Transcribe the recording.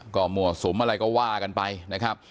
ก็มั่วสุมอะไรก็ว่ากันไปนะครับ